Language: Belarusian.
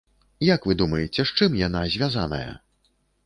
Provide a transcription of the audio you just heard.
Як вы думаеце, з чым яна звязаная?